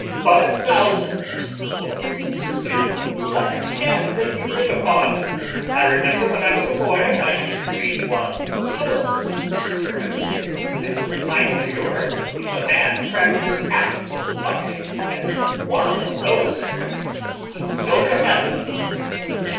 "Five thousand?" quoth the surgeon: "What can they be writ upon? I remember when I was a boy, I used to read one Tillotson's sermons; and, I am sure, if a man practised half so much as is in one of those sermons, he will go to heaven."